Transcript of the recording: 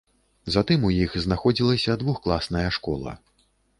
Затым у іх знаходзілася двухкласная школа.